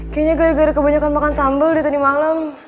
kayaknya gara gara kebanyakan makan sambal di tadi malam